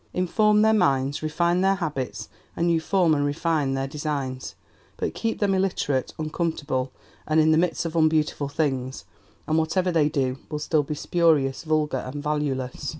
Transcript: ... Inform their minds, refine their habits, and you form and refine their designs; but keep them illiterate, uncomfortable, and in the midst of unbeautiful things, and whatever they do will still be spurious, vulgar, and valueless."